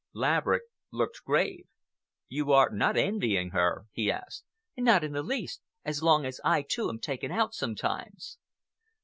Laverick looked grave. "You are not envying her?" he asked. "Not in the least, as long as I too am taken out sometimes."